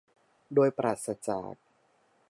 โดยปราศจาก